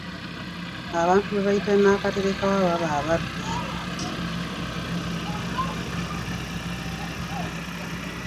Abantu be bayita nakaterekawa baba ababbi.